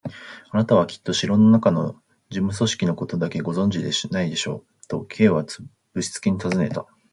「あなたはきっと城のなかの事務組織のことだけしかご存じでないのでしょう？」と、Ｋ はぶしつけにたずねた。